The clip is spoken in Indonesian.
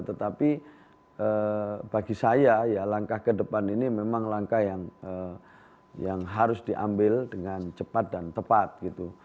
tetapi bagi saya ya langkah ke depan ini memang langkah yang harus diambil dengan cepat dan tepat gitu